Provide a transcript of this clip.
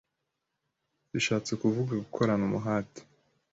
Rishatse kuvuga gukorana umuhate